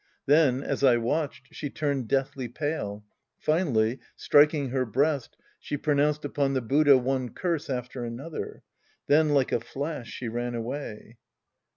Then, as I watched, she turned deathly pale. Finally, striking her breast, she pronounced upon the Buddha one curse after another. Then, like a flash, she ran away.